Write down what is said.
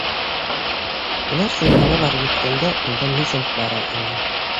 Улар тирмәнгә барып еткәндә, унда митинг бара ине.